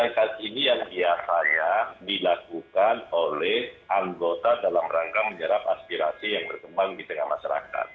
langkah ini yang biasanya dilakukan oleh anggota dalam rangka menyerap aspirasi yang berkembang di tengah masyarakat